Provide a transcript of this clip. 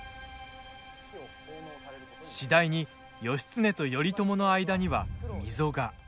次第に義経と頼朝の間には溝が。